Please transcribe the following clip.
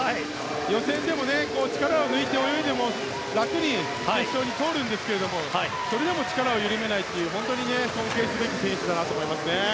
予選でも力を抜いて泳いでも楽に決勝に通りますがそれでも力を緩めないという本当に尊敬すべき選手だなと思いますね。